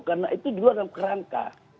karena itu di luar dalam kerangka